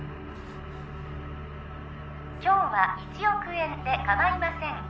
今日は１億円でかまいません